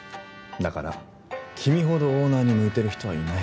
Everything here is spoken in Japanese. だから君ほどオーナーに向いてる人はいない。